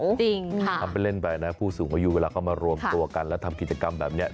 จริงค่ะทำไปเล่นไปนะผู้สูงอายุเวลาเขามารวมตัวกันแล้วทำกิจกรรมแบบนี้